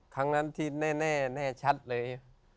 ครั้งนั้นที่แน่แน่ชัดเลย